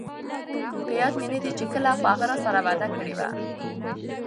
په ياد مې ندي چې کله، خو هغه راسره وعده کړي وه